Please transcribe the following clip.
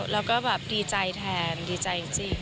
แล้วก็แบบดีใจแทนดีใจจริง